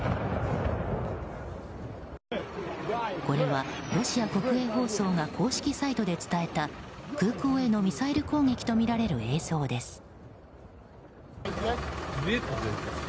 これはロシア国営放送が公式サイトで伝えた空港へのミサイル攻撃とみられる映像です。